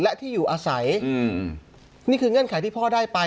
และที่อยู่อาศัยอืมนี่คือเงื่อนไขที่พ่อได้ไป